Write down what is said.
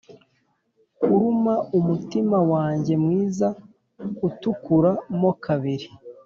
kuruma umutima wanjye mwiza utukura mo kabiri.